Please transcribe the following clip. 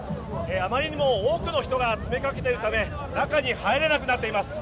あまりにも多くの人が詰めかけているため中に入れなくなっています。